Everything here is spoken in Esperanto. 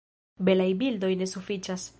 Belaj bildoj ne sufiĉas!